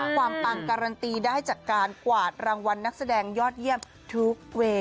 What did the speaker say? ปังการันตีได้จากการกวาดรางวัลนักแสดงยอดเยี่ยมทุกเวย์